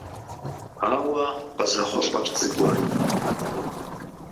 Ауэ къызэхъулӀэрт зыгуэру.